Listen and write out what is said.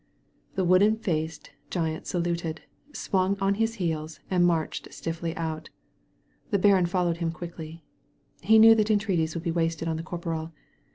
The wooden faced giant saluted, swung on his heels, and marched stiffly out. The baron followed him quickly. He knew that entreaties would be wasted on the corporal.